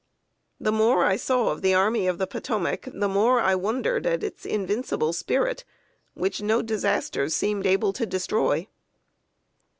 The more I saw of the Army of the Potomac, the more I wondered at its invincible spirit, which no disasters seemed able to destroy.